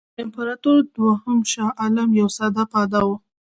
امپراطور دوهم شاه عالم یو ساده پیاده وو.